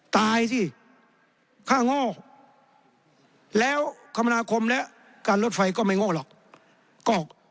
ตายสิฆ่าโง่แล้วคมนาคมและการรถไฟก็ไม่โง่หรอก